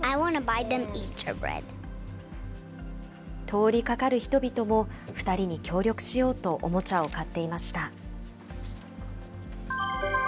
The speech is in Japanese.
通りかかる人々も、２人に協力しようと、おもちゃを買っていました。